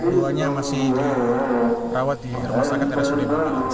duanya masih dirawat di rumah sakit rsud